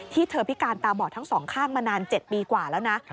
เธอพิการตาบอดทั้งสองข้างมานาน๗ปีกว่าแล้วนะ